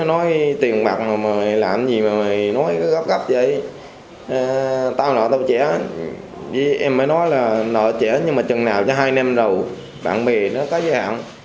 nói chẳng nào cho hai năm đầu bạn bè nó có dạng